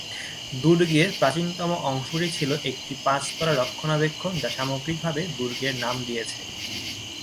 দুর্গের প্রাচীনতম অংশটি ছিল একটি পাঁচ তলা রক্ষণাবেক্ষণ যা সামগ্রিকভাবে দুর্গের নাম দিয়েছে।